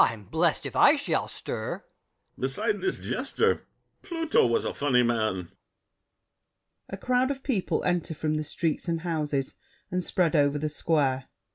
I'm blessed if I shall stir! BRICHANTEAU. Beside This jester Pluto was a funny man! [A crowd of people enter from the streets and houses, and spread over the Square.